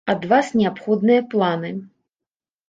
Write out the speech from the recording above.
Ад вас неабходныя планы.